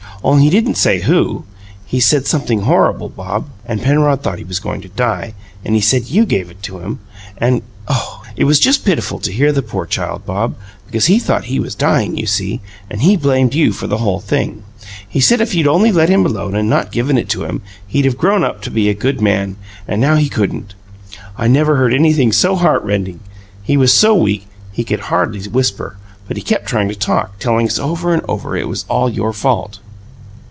Only he didn't say 'WHO' he said something horrible, Bob! And Penrod thought he was going to die, and he said you gave it to him, and oh! it was just pitiful to hear the poor child, Bob, because he thought he was dying, you see, and he blamed you for the whole thing. He said if you'd only let him alone and not given it to him, he'd have grown up to be a good man and now he couldn't! I never heard anything so heart rending he was so weak he could hardly whisper, but he kept trying to talk, telling us over and over it was all your fault."